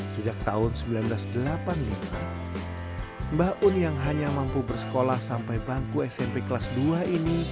sejak tahun seribu sembilan ratus delapan puluh lima mbah un yang hanya mampu bersekolah sampai bangku smp kelas dua ini